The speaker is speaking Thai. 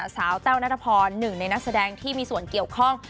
แต้วนัทพรหนึ่งในนักแสดงที่มีส่วนเกี่ยวข้อง